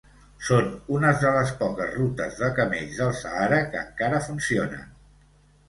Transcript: Són unes de les poques rutes de camells del Sàhara que encara funcionen.